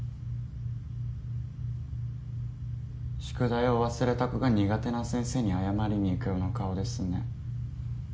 宿題を忘れた子が苦手な先生に謝りに行くような顔ですね